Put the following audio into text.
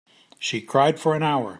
She cried for an hour.